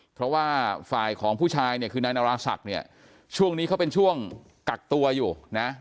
เพราะว่าฝ่ายของผู้ชายเนี่ยคือนายนาราศักดิ์เนี่ยช่วงนี้เขาเป็นช่วงกักตัวอยู่นะ